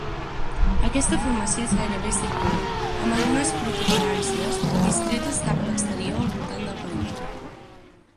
Aquesta formació és gairebé circular, amb algunes protuberàncies discretes cap a l'exterior al voltant del perímetre.